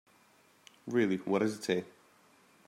Really, what does it say?